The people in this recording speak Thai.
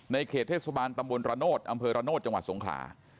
เขตเทศบาลตำบลระโนธอำเภอระโนธจังหวัดสงขลา